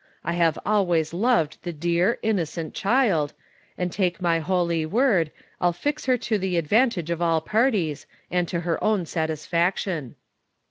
I have always loved the dear, innocent (V) child, and take my holy word, I'll fix lier to the advantage of all parties, and to her own satis faction."